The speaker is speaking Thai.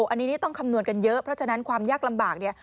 อันนี้ต้องคำนวณกันเยอะเพราะฉะนั้นความยากลำบากเนี่ย